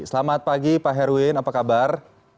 selamat pagi pak herwin apa kabar